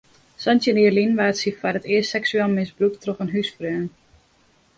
Santjin jier lyn waard sy foar it earst seksueel misbrûkt troch in húsfreon.